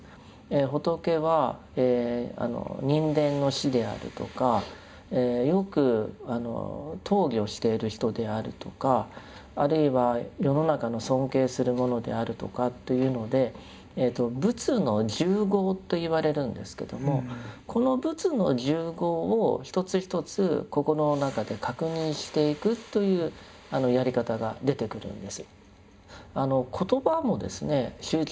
仏は人間の師であるとかよく討議をしている人であるとかあるいは世の中の尊敬するものであるとかっていうので「仏の十号」と言われるんですけどもこの仏の十号を一つ一つ心の中で確認していくというやり方が出てくるんです。